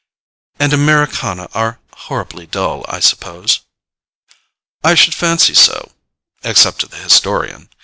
"And Americana are horribly dull, I suppose?" "I should fancy so—except to the historian.